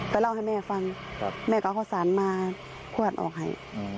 ไปเล่าให้เมฆฟังเมฆกับเขาสรรมาพว่าจะออกให้